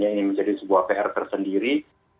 ini menjadi sebuah pr tersendiri